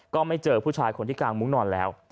ก็ไม่เจอผู้ชายคนที่กางมุ้งนอนแล้ว